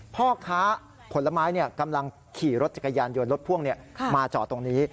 พ่อค้าผลไม้กำลังขี่รถจักรยานยนต์รถพ่วงมาจอดตรงนี้